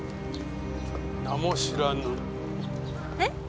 「名も知らぬ」え？